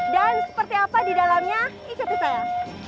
dan seperti apa di dalamnya ikuti saya